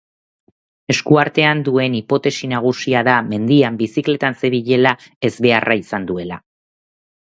Esku-artean duen hipotesi nagusia da mendian bizikletan zebilela ezbeharra izan duela.